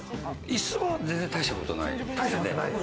椅子は全然大したことない。